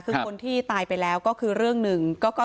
คือคนที่ตายไปแล้วก็คือเรื่องหนึ่ง